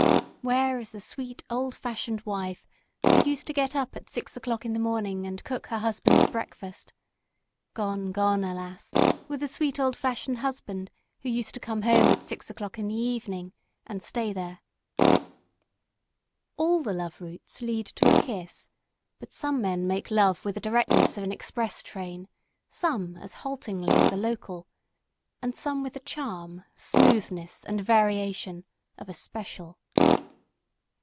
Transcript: WHERE IS THE SWEET, OLD FASHIONED WIFE WHO USED TO GET UP AT 6 O'CLOCK IN THE MORNING AND COOK HER HUSBAND'S BREAKFAST? GONE, GONE, ALAS, WITH THE SWEET OLD FASHIONED HUSBAND WHO USED TO COME HOME AT 6 O'CLOCK IN THE EVENING AND STAY THERE FINALE ALL the love routes lead to a kiss but some men make love with the directness of an express train, some as haltingly as a local and some with the charm, smoothness and variation of a "special."